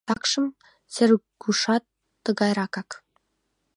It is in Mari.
Такшым Сергушат тыгайракак.